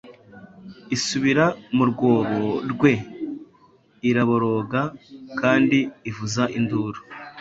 isubira mu rwobo rweiraboroga kandi ivuza induru